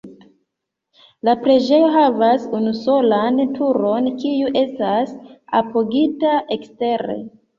La preĝejo havas unusolan turon, kiu estas apogita ekstere.